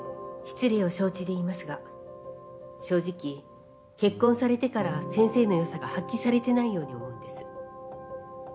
失礼を承知で言いますが正直結婚されてから先生の良さが発揮されてないように思うんです。